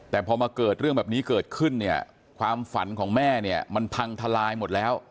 แต่พอมาเกิดเรื่องแบบนี้เกิดขึ้นเนี่ยความฝันของแม่เนี่ยมันพังทลายหมดแล้ว